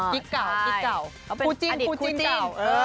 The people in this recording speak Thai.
อ๋อคุณเก่าคุณเก่าเขาเป็นอดิตคุณเก่า